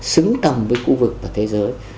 xứng tầm với khu vực và thế giới